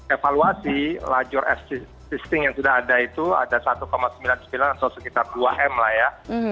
evaluasi lajur existing yang sudah ada itu ada satu sembilan puluh sembilan atau sekitar dua m lah ya